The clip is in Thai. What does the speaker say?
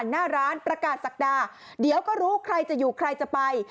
หน้าร้านประกาศศักดาเดี๋ยวก็รู้ใครจะอยู่ใครจะไป